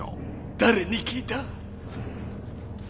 誰に聞いた？